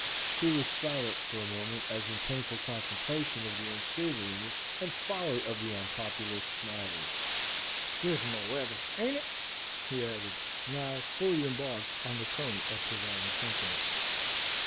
He was silent for a moment as in painful contemplation of the unsavoriness and folly of the unpopular Smiley. "Dismal weather, ain't it?" he added, now fully embarked on the current of prevailing sentiment.